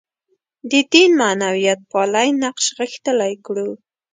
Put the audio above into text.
د دین معنویتپالی نقش غښتلی کړو.